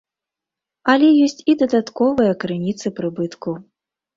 Але ёсць і дадатковыя крыніцы прыбытку.